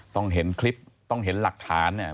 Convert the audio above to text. ต้องเห็นคลิปต้องเห็นหลักฐานเนี่ย